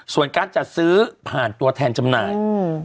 ส่วนการจัดซื้อผ่านตัวแทนจำหน่าย